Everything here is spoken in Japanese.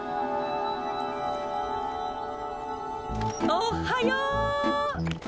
おはよう！